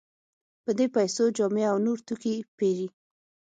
په دې پیسو جامې او نور توکي پېري.